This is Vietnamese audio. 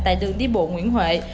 tại đường đi bộ nguyễn huệ